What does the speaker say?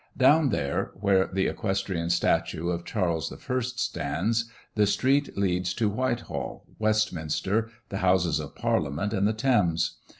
Down there, where the equestrian statue of Charles I. stands, the street leads to Whitehall, Westminster, the Houses of Parliament, and the Thames.